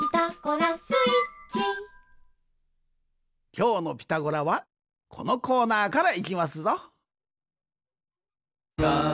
きょうの「ピタゴラ」はこのコーナーからいきますぞ！